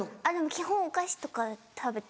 基本お菓子とか食べて。